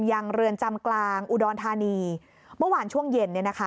เรือนจำกลางอุดรธานีเมื่อวานช่วงเย็น